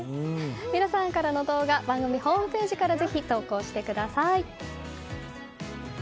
皆さんからの動画番組ホームページからぜひ投稿してください。